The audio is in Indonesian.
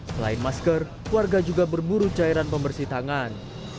selain masker warga juga berburu cairan pembersih tangan